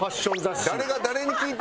誰が誰に聞いてんねん。